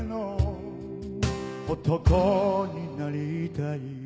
「男になりたい」